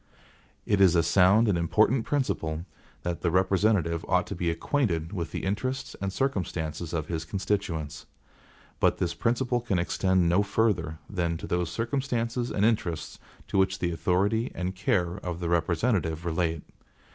It is a sound and important principle that the representative ought to be acquainted with the interests and circumstances of his constituents. But this principle can extend no further than to those circumstances and interests to which the authority and care of the representative relate.